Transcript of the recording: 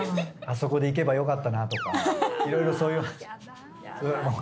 あそこでいけばよかったなとか色々そういう。